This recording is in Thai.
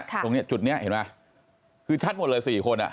ตรงนี้จุดนี้เห็นไหมคือชัดหมดเลย๔คน